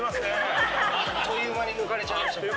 あっという間に抜かれました。